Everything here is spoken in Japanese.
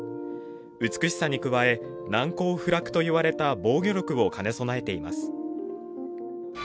美しさに加え難攻不落といわれた防御力を兼ね備えています。